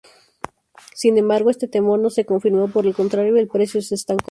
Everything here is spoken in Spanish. Sin embargo, este temor no se confirmó, por el contrario el precio se estancó.